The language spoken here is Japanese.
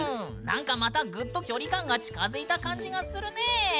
なんかまたグッと距離感が近づいた感じがするね。